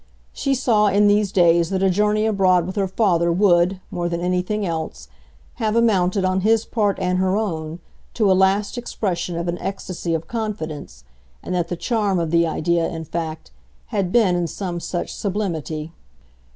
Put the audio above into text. She saw in these days that a journey abroad with her father would, more than anything else, have amounted, on his part and her own, to a last expression of an ecstasy of confidence, and that the charm of the idea, in fact, had been in some such sublimity.